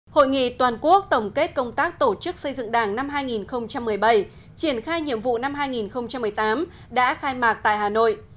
hội nghị toàn quốc tổng kết công tác tổ chức xây dựng đảng năm hai nghìn một mươi bảy triển khai nhiệm vụ năm hai nghìn một mươi tám đã khai mạc tại hà nội